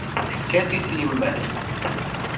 Tekkat-it yemma-s.